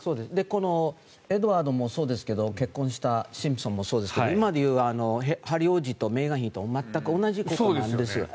このエドワードもそうですが結婚したシンプソンもそうですが今でいうヘンリー王子とメーガン妃と全く同じことなんです。